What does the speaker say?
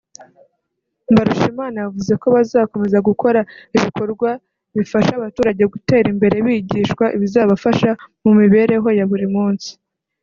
Mbarushimana yavuze ko bazakomeza gukora ibikorwa bifasha abaturage gutera imbere bigishwa ibizabafasha mu mibereho ya buri munsi